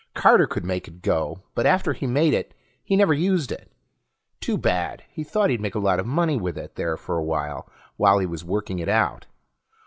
Carter could make it go, but after he made it he never used it. Too bad; he thought he'd make a lot of money with it there for awhile, while he was working it out.